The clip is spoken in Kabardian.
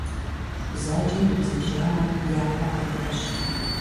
Бзаджэм и бзаджагъэр япэ кърегъэщ.